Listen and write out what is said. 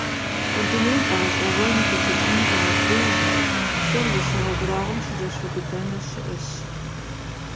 Мы дунейм фӀэгъэщӀэгъуэни хуэшэчыни темытыжу, псэр зэшыгъуэ абрагъуэм щызэщӀиубыдэ щыӀэщ.